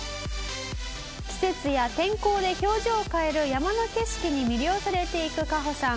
「季節や天候で表情を変える山の景色に魅了されていくカホさん」